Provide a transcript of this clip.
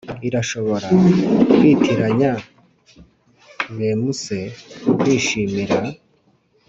irashobora kwitiranya, bemuse, kwishimira,